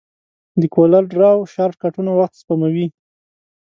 د کولر ډراو شارټکټونه وخت سپموي.